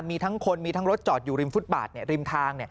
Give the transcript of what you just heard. มีทั้งคนมีทั้งรถจอดอยู่ริมฟุตบาทริมทาง